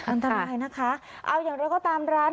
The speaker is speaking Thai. อันตรายนะคะเอาอย่างไรก็ตามร้าน